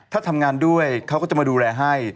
ถ้าทำงานด้วยเขาก็จะมาดูแลให้